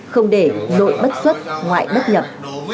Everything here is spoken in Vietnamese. không để nội bất xuất ngoại bất nhập